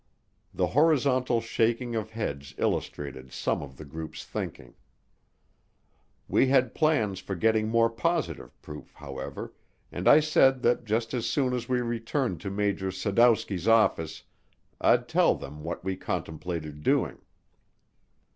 The horizontal shaking of heads illustrated some of the group's thinking. We had plans for getting more positive proof, however, and I said that just as soon as we returned to Major Sadowski's office I'd tell them what we contemplated doing.